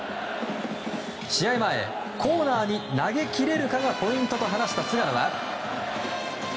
試合前コーナーに投げ切れるかがポイントと話した菅野は。